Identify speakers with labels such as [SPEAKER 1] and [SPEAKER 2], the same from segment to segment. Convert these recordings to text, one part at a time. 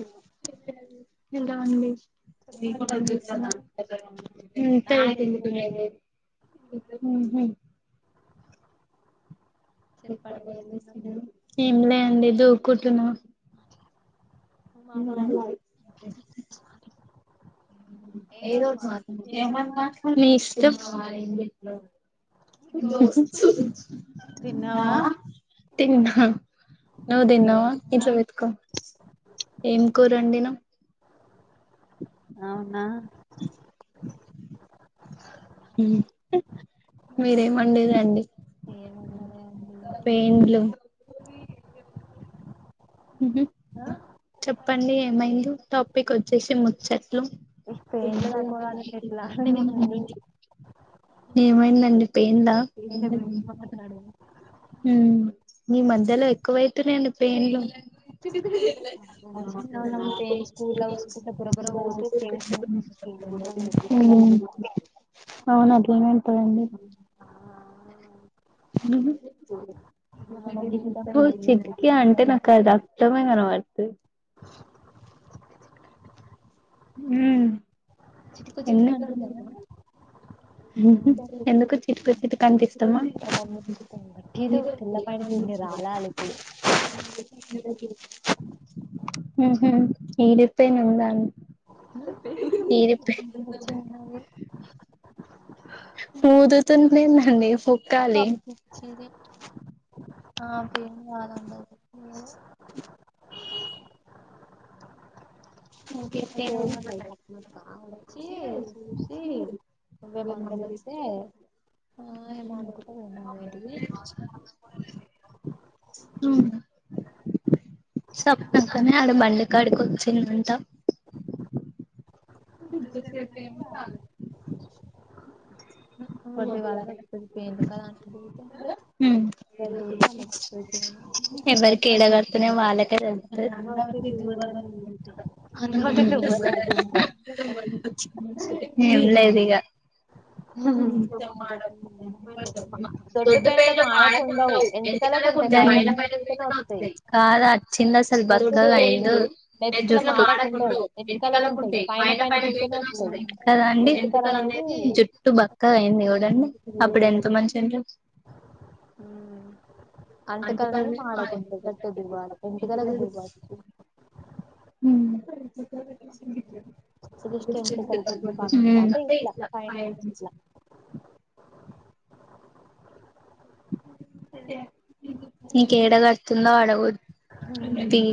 [SPEAKER 1] ఓకేనే
[SPEAKER 2] మీరు రాండి
[SPEAKER 1] చేస్తున్నారు
[SPEAKER 2] [unintelligible] ఇంతా యాడ
[SPEAKER 1] నాకెందుకునే
[SPEAKER 2] కొనుక్కున్నావు
[SPEAKER 1] లేదు
[SPEAKER 2] ఉహు
[SPEAKER 1] చెప్పండి ఏం చేస్తున్నారు
[SPEAKER 2] ఏం లే అండి దూవుకుంటున్నా [inaudible]
[SPEAKER 1] మాట్లాడు ఏదో ఒకటి మాట్లా ఏమమ్మా
[SPEAKER 2] మీ ఇష్టం
[SPEAKER 1] తిన్నావా దోస్ తిన్నావా
[SPEAKER 2] తిన్నా నువ్వు
[SPEAKER 1] ఏం
[SPEAKER 2] తిన్నావా ఇట్లా వెతుకో ఏం కూర వండినావు
[SPEAKER 1] అవునా
[SPEAKER 2] మీరు ఏం వండిర్రు అండి
[SPEAKER 1] ఏమున్నదే అండి
[SPEAKER 2] ఏం లే
[SPEAKER 1] ఆ
[SPEAKER 2] చెప్పండి ఏమైందొ టాపిక్ వచ్చేసి ముచ్చ
[SPEAKER 1] ఈ పేర్లు
[SPEAKER 2] ఏందో ఆ పిల్ల
[SPEAKER 1] తక్కువడానికి ఎట్లా
[SPEAKER 2] ఇట్లిట్లా
[SPEAKER 1] అండి మందు
[SPEAKER 2] [unintelligible] ఏమైందండి పొయింద
[SPEAKER 1] ఇంటి గురించి మాట్లాడు
[SPEAKER 2] మ్మ్ మీ మధ్యలో ఎక్కువైతున్నాను పెన్లు అవున
[SPEAKER 1] చిన్నగా ఉన్నప్పుడు పేర్లు స్కూల్లో కూసుంటే బుర్ర బుర్ర పోతే ఫ్రెండ్స్ పేర్లు కొట్టడం ఎట్లా పేర్లు
[SPEAKER 2] హ్మ్
[SPEAKER 1] కొట్టడం
[SPEAKER 2] అవును అట్లానే ఉంటాది అండి ఉహు
[SPEAKER 1] కొంతమందికి ఇష్టం
[SPEAKER 2] నువ్వు
[SPEAKER 1] పేర్లు అంటే
[SPEAKER 2] చెట్లా
[SPEAKER 1] చిటికు
[SPEAKER 2] అంటే
[SPEAKER 1] అని
[SPEAKER 2] నాకు
[SPEAKER 1] ఇష్టం
[SPEAKER 2] అది అర్థమే కాలే నాకి మ్మ్
[SPEAKER 1] చిటుకు చిటుకు
[SPEAKER 2] ఎందుకండి
[SPEAKER 1] అంటున్నారా మా
[SPEAKER 2] [unintelligible] ఎందుకొ చెప్పబుద్ది కాదనిపిస్తున్న
[SPEAKER 1] మమ్మీ తిడుతుంది వట్టిదు తెల్ల పాయింట్ ఇన్ని రాలాలి ఇప్పుడు
[SPEAKER 2] [inaudible] ఆహ ఇది ప్యా
[SPEAKER 1] చిన్నది
[SPEAKER 2] పూవ్వు తెత్తండా [unintelligible] పో
[SPEAKER 1] కనిపిచ్చెది నాకు ఏం కాదండి నిను
[SPEAKER 2] ఇంకేంటి
[SPEAKER 1] అయితే ఏమన్నది సప్నక్క వచ్చి చూసి
[SPEAKER 2] మీరు
[SPEAKER 1] నువ్వే
[SPEAKER 2] నెంబర్
[SPEAKER 1] మందలిస్తే
[SPEAKER 2] ఇస్తే
[SPEAKER 1] ఆ ఏమో అనుకుంట పోయిందన్నది ఏంటిది
[SPEAKER 2] [unintelligible] చెప్నగానే ఆడ బండికాడికి వచ్చింది ఎంతసేపు ఏముంది ఆ
[SPEAKER 1] వర్డ వా హ పేట్ క
[SPEAKER 2] ఉమ్
[SPEAKER 1] [unintelligible]
[SPEAKER 2] ఎవరికి ఏడ కర్తన్నయో వాళ్ళకే తెలుసు రా ఇదివ
[SPEAKER 1] అలవాటే అవ్వలే అది ఇంకా
[SPEAKER 2] [unintelligible] ఏం లేదు ఇగ డ దొడ్డు
[SPEAKER 1] పెన్లు
[SPEAKER 2] పేలు మాడకు
[SPEAKER 1] మాడకుండవు
[SPEAKER 2] ఉండవు ఎందుక
[SPEAKER 1] ఎంటికలకు ఉంటాయి పైన పైన దూతనే వస్తాయి
[SPEAKER 2] కాదు వచ్చిండు అసలు
[SPEAKER 1] దొడ్డు
[SPEAKER 2] బక్కగా
[SPEAKER 1] పేన్లు
[SPEAKER 2] అయ్యిండు
[SPEAKER 1] నెత్తిల మాడకుండవు
[SPEAKER 2] ఆడకుండు ఎంటికలకు
[SPEAKER 1] ఉంటాయి
[SPEAKER 2] ఉంటే పైన పైన
[SPEAKER 1] దూతనే
[SPEAKER 2] దుకలు
[SPEAKER 1] వస్తాయి
[SPEAKER 2] వస్త కదండి ఎంటికలు అనేది చు జుట్టు బక్కాగా అయింది చూడండి అప్పుడు ఎంత మంచిగా ఉండే
[SPEAKER 1] ఉ అంటుకలు అనేది మాడకుంటయి గట్టిగా దువ్వాలి ఎంటికలకు దువ్వచ్చు జస్ట్
[SPEAKER 2] ఉమ్
[SPEAKER 1] ఎంటికలు గుండు కానకుండా అంటే ఇట్లా పైనుంచి
[SPEAKER 2] ఉ నీకేడ గర్తుందో అడ
[SPEAKER 1] ఇట్లా
[SPEAKER 2] తీయి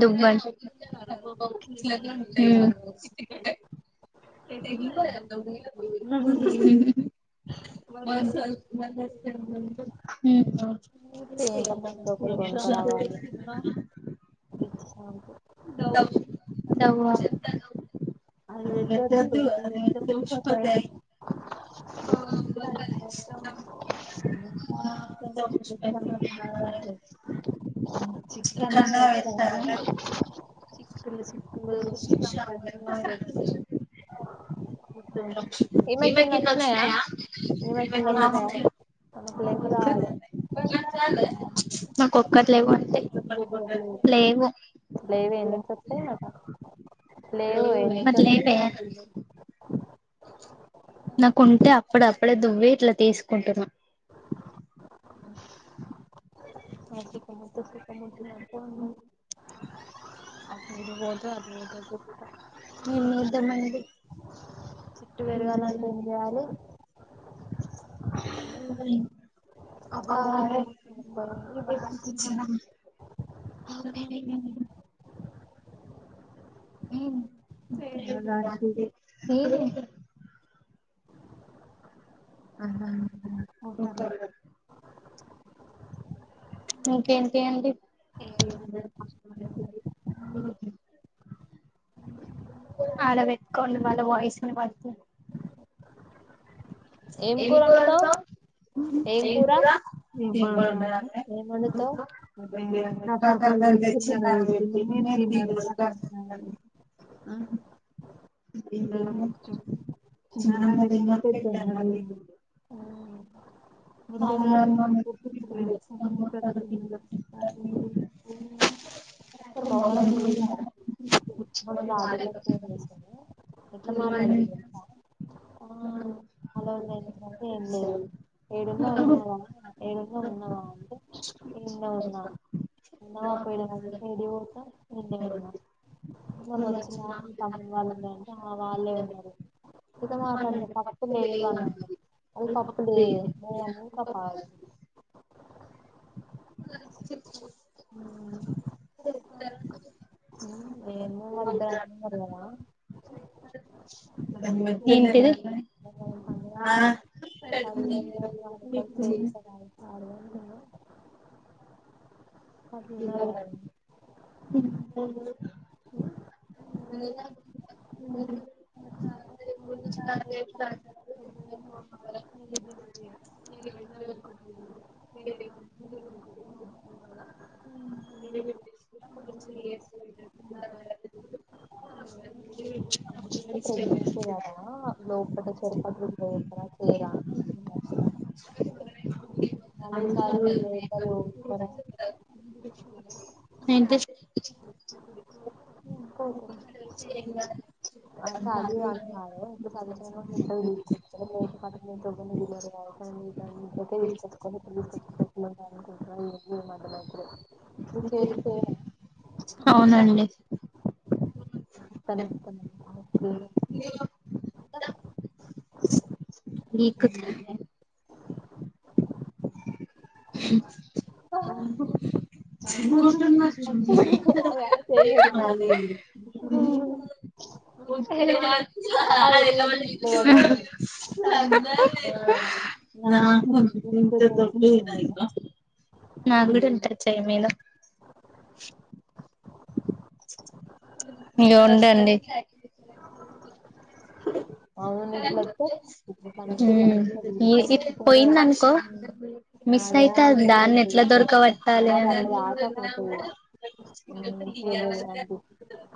[SPEAKER 2] దువ్వను ఆ ఉం ఉహూ
[SPEAKER 1] పేర్ల మందు ఒకటి కొనుకరావాలి పిచ్చి
[SPEAKER 2] ఆ
[SPEAKER 1] షాంపూ
[SPEAKER 2] తవ అదితే అదు అది ఎంటికలు ఊషిపోతయి అ ఆ వేసార శీషము
[SPEAKER 1] ఇమకిచ్చిన అది మటిన్నాకు రాడు [unintelligible]
[SPEAKER 2] మాకోక్కటి లేవు అంటే లేవు
[SPEAKER 1] లేవు ఏనుంచి అత్తాయి
[SPEAKER 2] లేవు
[SPEAKER 1] తెల్వదు
[SPEAKER 2] నాకుంటే అప్పుడు అప్పుడే దువ్వే ఇట్లా తీసుకుంటున్నాం
[SPEAKER 1] ఎప్పుడూ ఉండది పోతే అటు పోతే చెప్తా
[SPEAKER 2] ఏ చేద్దాం మనేది
[SPEAKER 1] చెట్టు పెరగాలంటే ఏం చేయాలి
[SPEAKER 2] అ అ అదేచ్చ అ
[SPEAKER 1] చిన్నదానికి నేను ఆహా. కూరలు
[SPEAKER 2] సర [unintelligible] ఇంకేంటి అండి ఇంకేం లేదు మామూలే లైఫ్ నువ్వే చెప్పు అలా పెట్టుకోండి వాళ్ళ వాయిస్ వినపడుతుంది
[SPEAKER 1] ఏం కూర వండుతావ్ ఏం కూర ఏం వండాలి ఏం వండుతావ్ అదే కాకరకాయలు తెచ్చిండ్రు ఆడపెట్టిండ్రు తిననే తిన్నారు కాకరకాయలు ఆ ఏమో చెప్పు తిననే తినరు [unintelligible] [unintelligible] మొహరం పోయిన్నారా మొన్న రాధిక ఫోన్ చేసింది ఎట్లా మాట్లాడింది ఈ అక్క
[SPEAKER 2] ఆ
[SPEAKER 1] అలోజ అవుతుందంటే ఏం లేవు ఆ ఉన్నవా ఏడన్నా ఉన్నావా అంటే ఈడనే ఉన్నా ఉన్నావా పోయినావా ఏడికి పోతా ఈడ్నే ఉన్న మొన్న వచ్చినా మీ తమ్ముని వాళ్ళు ఉండంటే ఆ వాళ్ళే ఉన్నారు ఇట్లా మాట్లాడిన తప్పు లేదనింది అది తప్పు లేదే అ ఇంకా పాది
[SPEAKER 2] [inaudible]
[SPEAKER 1] నేను అళద్ద రాత్ర కర్గాాల
[SPEAKER 2] ఏంటిది
[SPEAKER 1] [unintelligible]
[SPEAKER 2] తిందాం రండి ఉ కని [inaudible] [inaudible]
[SPEAKER 1] [inaudible]
[SPEAKER 2] [inaudible] [inaudible]
[SPEAKER 1] ఎప్పటినుంచి చెయ్యకురా చేయరా అని చెప్పిన మళ ఈ సారి ఇలేనీతార
[SPEAKER 2] సైంటిస్ట్
[SPEAKER 1] ఉ పోకు అంటే అది పానే వాదు ఉకే సదిచ్ ఇడ్లు తీసుకొచ్చ లేక పాటు మీ చ తీసుకొచ్చుకని తీసుకొచ్చ [unintelligible] నీ చేతికి ఏమి
[SPEAKER 2] అవునండి
[SPEAKER 1] కనిపిస్తుందా నీకి నొప్పి
[SPEAKER 2] నీకు శ్రమే ఉ
[SPEAKER 1] హహో యాడ చేయలేదు ఉ
[SPEAKER 2] [inaudible]
[SPEAKER 1] పడితే ఇట్ల పడుతుంది
[SPEAKER 2] నాకు ఉంది
[SPEAKER 1] గుంత
[SPEAKER 2] దీంతో
[SPEAKER 1] దద్దుంది దానిలో
[SPEAKER 2] నా కూడా ఉంటారు టచ్ య మీను ఇగో ఉండండి [inaudible]
[SPEAKER 1] అవును ఇట్ల క
[SPEAKER 2] మ్మ్ మీస్ అయితే దాన్ని ఎట్లా దొరకా వట్టాల
[SPEAKER 1] అట్లా
[SPEAKER 2] అన్
[SPEAKER 1] [unintelligible]
[SPEAKER 2] తీయ
[SPEAKER 1] అనిపి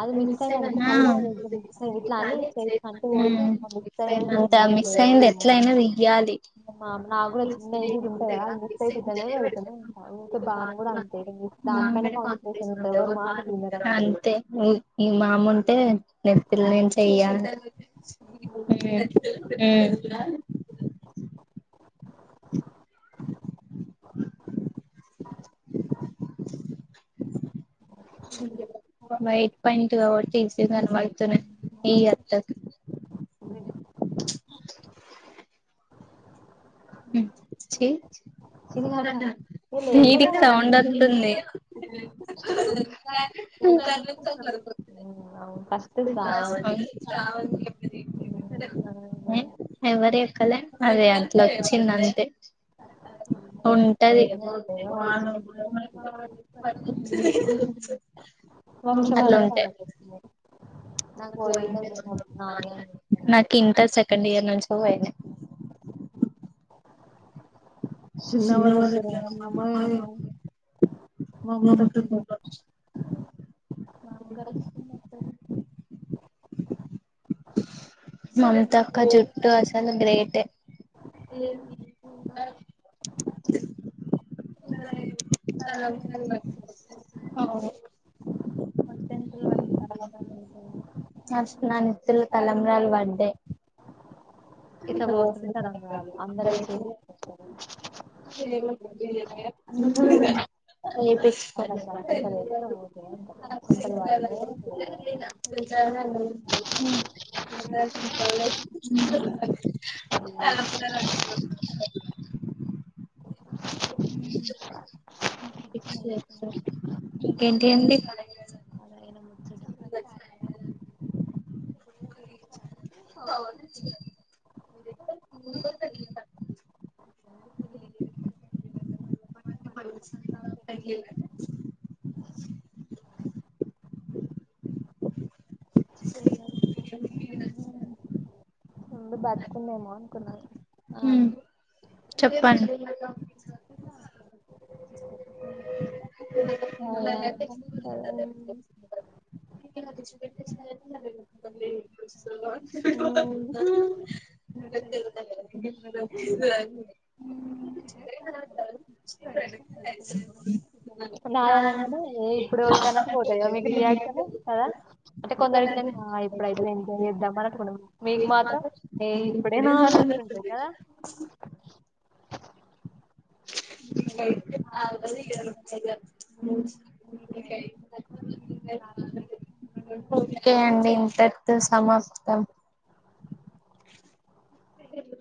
[SPEAKER 1] అది
[SPEAKER 2] నేను
[SPEAKER 1] మిక్స్
[SPEAKER 2] మిస్
[SPEAKER 1] అయింది అనుకో
[SPEAKER 2] [unintelligible] ఆ
[SPEAKER 1] మళ్ళా మిక్స్ అయి ఇట్లా అని చేసి అంటే పోతే మిక్స్ అయిందని
[SPEAKER 2] హు అంత
[SPEAKER 1] కొంచెం
[SPEAKER 2] మిక్స్
[SPEAKER 1] అయితే
[SPEAKER 2] అయింది ఎట్ల అయిన తీయ్యాలి
[SPEAKER 1] మా నాకు కూడా చిన్న ఇది ఇది ఉంటది కదా అది మిక్స్ అయితే ఇట్లనే పెడుతూనే ఉంటా ఊకే
[SPEAKER 2] మాంట బా
[SPEAKER 1] బాను కూడా అంతే ఇక దానిపైన
[SPEAKER 2] మానే పా
[SPEAKER 1] కాన్సన్ట్రేషన్
[SPEAKER 2] పసులు
[SPEAKER 1] ఉంటది ఎవరి
[SPEAKER 2] ఉంట
[SPEAKER 1] మాట వినరు అప్పుడు
[SPEAKER 2] అంతే ఈ మామంటే నెప్ప నను చెయా
[SPEAKER 1] ఉమ్.
[SPEAKER 2] ఊ [inaudible] [inaudible] నైట్ పాయింట్ తీస మతునే ఈ అత్త
[SPEAKER 1] అ
[SPEAKER 2] ఉ ఛీ
[SPEAKER 1] చిన్నట ఇగ లేకుండా
[SPEAKER 2] ఇది
[SPEAKER 1] మనం
[SPEAKER 2] సౌండ్
[SPEAKER 1] ఉంటుంది.
[SPEAKER 2] వత్తుంది కలుర ఫ
[SPEAKER 1] ఉమ్, అవును ఫస్ట్ రావాలి
[SPEAKER 2] ట్రావ
[SPEAKER 1] ఉమ్, అవును.
[SPEAKER 2] ఎవరే కలే అదే అట్ల వచ్చింది అంతే ఉంటది [inaudible] అట్లా
[SPEAKER 1] వంశహారం
[SPEAKER 2] ఉంటాయి
[SPEAKER 1] మనకు నాకు పోయి ఉండే మొన్న నాని అని చెప్పింది
[SPEAKER 2] నాకు ఇంకా సెకండ్ ఇయర్ నుంచి పోయింది
[SPEAKER 1] చిన్నవ్వ దగ్గర నమ [unintelligible] మమత మాంగరి
[SPEAKER 2] మమతక్క జుట్టు అసలు గ్రేటే రే చాల
[SPEAKER 1] ఫస్ట్ టెన్త్లో వాడికి తలుతారు
[SPEAKER 2] ఫస్ట్ నా నెత్తిన తలంబ్రాలు పడ్డాయ్ ఎంత
[SPEAKER 1] ఇట్లా
[SPEAKER 2] కో
[SPEAKER 1] పోతుంది తరం రాదు అందరు
[SPEAKER 2] అ
[SPEAKER 1] వేసి వస్తారు
[SPEAKER 2] అ ఉ అ
[SPEAKER 1] అందరికి
[SPEAKER 2] అంట
[SPEAKER 1] అక్షంతలు
[SPEAKER 2] ఎ
[SPEAKER 1] వేస్తే పోతే అంటారు
[SPEAKER 2] అ
[SPEAKER 1] అక్షంతలు వాడితే పోతే
[SPEAKER 2] ఇంకేంటి అండి
[SPEAKER 1] తిన్న
[SPEAKER 2] కాలేజ్లో ఒక తిన్నా బస ప
[SPEAKER 1] ముందు బ్రతుకుందేమో అనుకున్నారు
[SPEAKER 2] మ్ చెప్పండి
[SPEAKER 1] అదే అనుకుంటారు
[SPEAKER 2] పెట్ట ప్ర
[SPEAKER 1] నాదనంగానే
[SPEAKER 2] ధారణంగా
[SPEAKER 1] ఏ ఇప్పుడు
[SPEAKER 2] ఇప్పుడ
[SPEAKER 1] వద్దన్నట్టు పోతది కదా మీకు రియాక్షన్ కదా అంటే కొందరికి ఇప్పుడైతే ఎంజాయ్ చేద్దాం అని అనుకుంటాం మీకు
[SPEAKER 2] ఇది మాత్రం
[SPEAKER 1] ఏ
[SPEAKER 2] ఎప్పుడ
[SPEAKER 1] ఇప్పుడేనా అన్నట్టు
[SPEAKER 2] అన్నంది
[SPEAKER 1] ఉంటది కదా
[SPEAKER 2] ైది ఓకే అండి ఇంతటితో సమాప్తం స